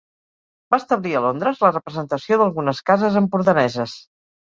Va establir a Londres la representació d'algunes cases empordaneses.